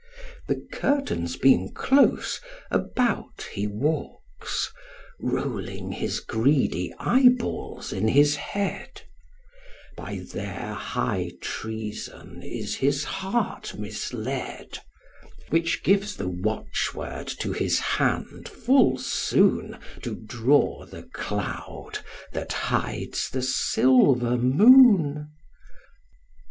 The curtains being close, about he walks, Rolling his greedy eyeballs in his head: By their high treason is his heart misled; Which gives the watch word to his hand full soon To draw the cloud that hides the silver moon.